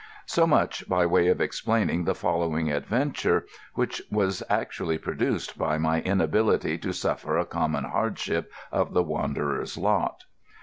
So much by way of explaining the following adventure, which was actually produced by my inability to suffer a common hardship of the wanderer's lot.